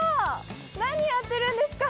何やってるんですか！